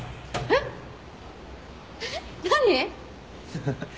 ハハハ。